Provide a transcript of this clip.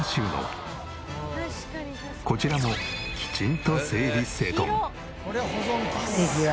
こちらもきちんと整理整頓。